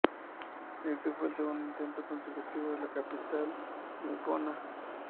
Este fue el segundo intento consecutivo de la capital nipona.